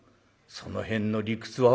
その辺の理屈は」。